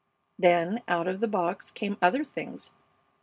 Then out of the box came other things.